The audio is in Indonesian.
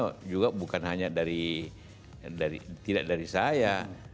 beliau juga bukan hanya dari tidak dari saya